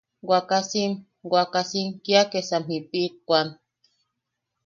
Wakasim... wakasim kia kesan jiʼipikwan.